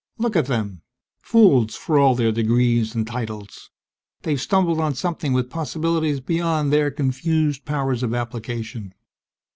_Look at them fools for all their degrees and titles! They've stumbled on something with possibilities beyond their confused powers of application.